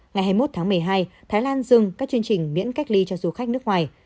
ngày hai mươi một tháng một mươi hai thái lan dừng các chương trình miễn cách ly cho du khách nước ngoài